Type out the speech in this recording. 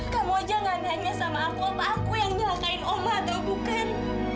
kamu jangan nanya sama aku apa aku yang nyelakain oma tuh bukan